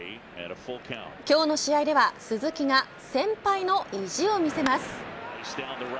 今日の試合では鈴木が先輩の意地を見せます。